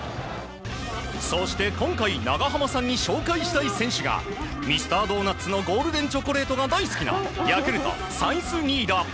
そして今回長濱さんに紹介したい選手がミスタードーナッツのゴールデンチョコレートが大好きなヤクルト、サイスニード。